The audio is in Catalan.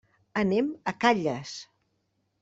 Anem a Calles.